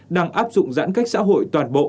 đang áp dụng giãn cách xã hội toàn bộ